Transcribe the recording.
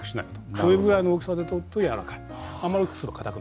それぐらいの大きさで取ってやわらかい。